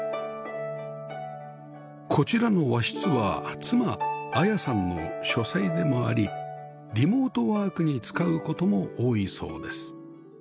こちらの和室は妻綾さんの書斎でもありリモートワークに使う事も多いそうです